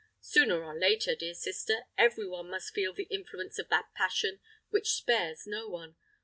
Sooner or later, dear sister, every one must feel the influence of that passion, which spares no one.